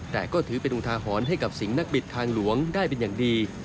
แต่ก็ถือเป็นอุทาหรณ์ให้กับสิ่งนักบิดทางหลวงได้เป็นอย่างดี